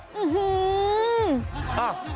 อุ้หือ